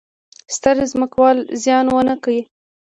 ستر ځمکوال زیان ونه کړي.